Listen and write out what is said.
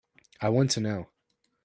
I want to know.